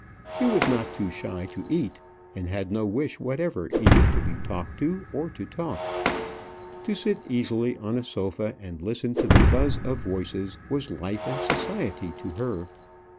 She was not too shy to eat, and had no wish whatever either to be talked to or to talk. To sit easily on a sofa and listen to the buzz of voices was life and society to her.